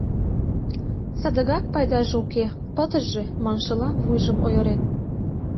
«Садыгак пайдаже уке, пытыже» маншыла, вуйжым ойырен.